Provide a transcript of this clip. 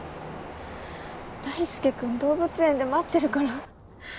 大輔君動物園で待ってるから！